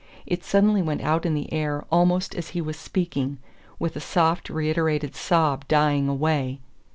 It suddenly went out in the air almost as he was speaking, with a soft reiterated sob dying away.